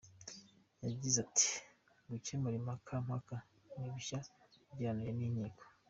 Yagize ati "Gukemura impaka impaka ni bishya ugereranyije n’inkiko.